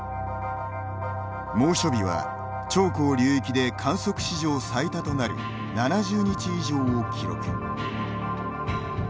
猛暑日は長江流域で観測史上最多となる７０日以上を記録。